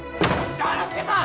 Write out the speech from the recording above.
丈之助さん！